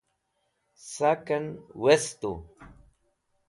Saken westu